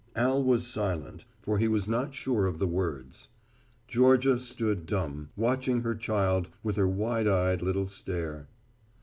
Al was silent, for he was not sure of the words. Georgia stood dumb, watching her child with her wide eyed little stare.